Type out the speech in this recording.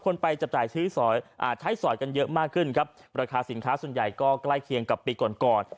ไปจับจ่ายซื้อใช้สอยกันเยอะมากขึ้นครับราคาสินค้าส่วนใหญ่ก็ใกล้เคียงกับปีก่อนก่อน